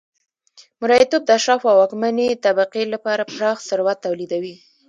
مریتوب د اشرافو او واکمنې طبقې لپاره پراخ ثروت تولیدوي